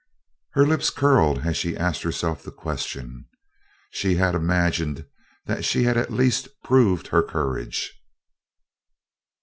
Her lip curled as she asked herself the question. She had imagined that she had at least proved her courage.